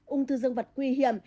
ung thư dương vật nguy hiểm